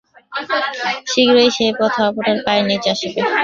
শীঘ্রই সেই পথও আপনার পায়ের নীচে আসিবে।